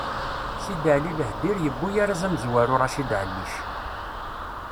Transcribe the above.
Sidali Lahdir yewwi arraz amezwaru Racid Ɛellic.